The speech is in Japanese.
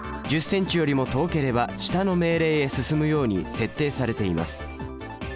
１０ｃｍよりも遠ければ下の命令へ進むように設定されています。